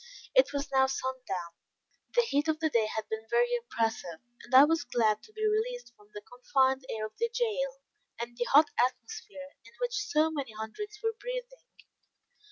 It was now sundown. The heat of the day had been very oppressive, and I was glad to be released from the confined air of the jail, and the hot atmosphere, in which so many hundreds were breathing.